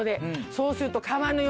そうすると。